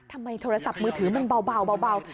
โทรศัพท์มือถือมันเบา